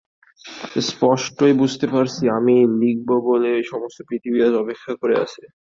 স্পষ্টই বুঝতে পারছি, আমি লিখব বলেই সমস্ত পৃথিবী আজ অপেক্ষা করে আছে।